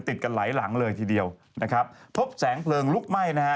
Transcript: ติดกันหลายหลังเลยทีเดียวนะครับพบแสงเพลิงลุกไหม้นะฮะ